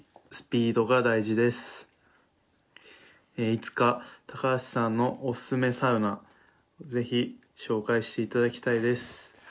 いつか高橋さんのおすすめサウナ是非紹介していただきたいです。